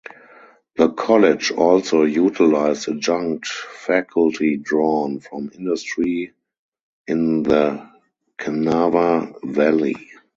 The college also utilized adjunct faculty drawn from industry in the Kanawha Valley.